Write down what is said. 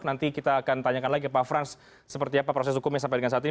nanti kita akan tanyakan lagi pak frans seperti apa proses hukumnya sampai dengan saat ini